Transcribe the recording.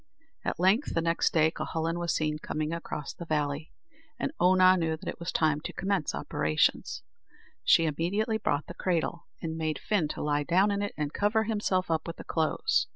At length, the next day, Cuhullin was seen coming across the valley, and Oonagh knew that it was time to commence operations. She immediately brought the cradle, and made Fin to lie down in it, and cover himself up with the clothes.